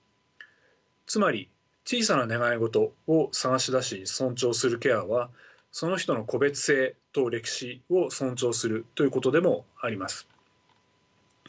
つまり小さな願い事を探し出し尊重するケアはその人の個別性と歴史を尊重するということでもあります。